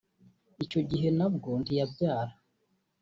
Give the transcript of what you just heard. Icyo gihe nabwo ntiyabyara